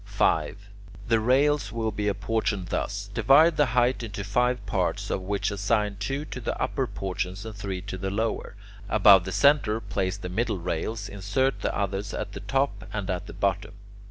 5. The rails will be apportioned thus: divide the height into five parts, of which assign two to the upper portion and three to the lower; above the centre place the middle rails; insert the others at the top and at the bottom.